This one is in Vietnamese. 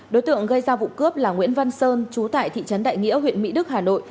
đối tượng gây ra vụ cướp là nguyễn văn sơn chú tại thị trấn đại nghĩa huyện mỹ đức hà nội